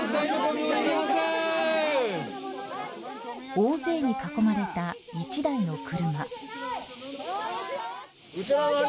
大勢に囲まれた１台の車。